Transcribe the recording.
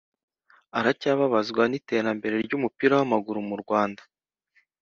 Aracyababazwa n’iterambere ry’umupira w’amaguru mu Rwanda